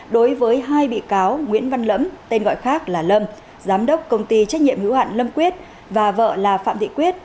đối với hai bị cáo nguyễn văn lẫm tên gọi khác là lâm giám đốc công ty trách nhiệm hữu hạn lâm quyết và vợ là phạm thị quyết